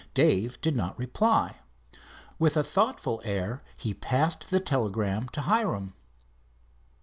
Dave did not reply. With a thoughtful air he passed the telegram to Hiram.